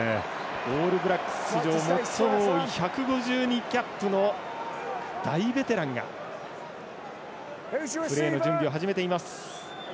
オールブラックス史上最も多い１５２キャップの大ベテランがプレーの準備を始めています。